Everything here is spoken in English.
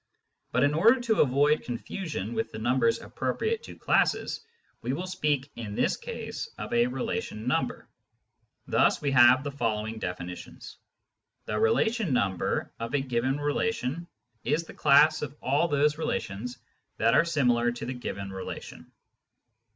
But in order to avoid confusion witl the numbers appropriate to classes, we will speak, in this case, of a " relation number." Thus we have the following definitions: — The " relation number " of a given relation is the class of all those relations that are similar to the given relation.